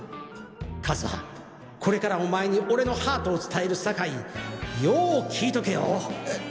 和葉これからお前に俺のハートを伝えるさかいよ聞いとけよえっ？